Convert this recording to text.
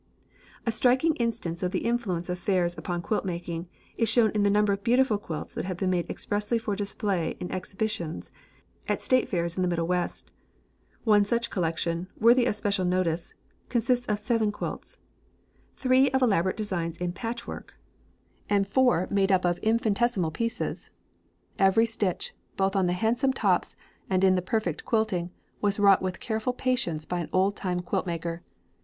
A striking instance of the influence of fairs upon quilt making is shown in the number of beautiful quilts that have been made expressly for display in exhibitions at state fairs in the Middle West. One such collection, worthy of special notice, consists of seven quilts: three of elaborate designs in patchwork and four made up of infinitesimal pieces. Every stitch, both on the handsome tops and in the perfect quilting, was wrought with careful patience by an old time quilt maker.